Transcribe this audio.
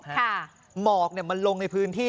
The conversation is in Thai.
หมอกมันลงในพื้นที่